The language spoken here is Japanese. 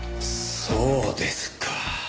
そうですか。